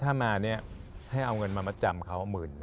ถ้ามานี้ให้เอาเงินมาจำเค้า๒๐๐๐๐